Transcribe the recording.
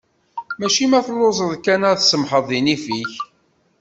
Mačči ma telluzeḍ kan ad tsemḥeḍ deg nnif-ik.